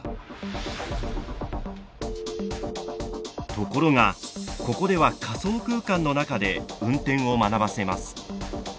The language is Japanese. ところがここでは仮想空間の中で運転を学ばせます。